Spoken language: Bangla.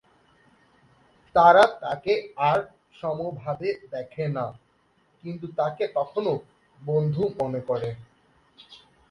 তারা তাকে আর সমভাবে দেখে না, কিন্তু তাকে তখনও বন্ধু মনে করে।